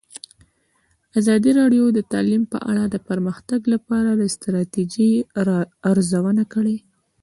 ازادي راډیو د تعلیم په اړه د پرمختګ لپاره د ستراتیژۍ ارزونه کړې.